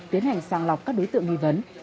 tiến hành sang lọc các đối tượng nghi vấn